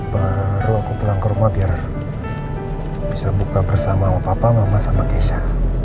baru aku pulang ke rumah biar bisa buka bersama sama papa mama sama keisha